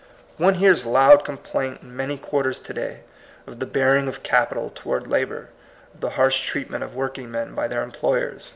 One hears loud complaint in many quar ters to day of the bearing of capital toward labor, of the harsh treatment of working men by their employers.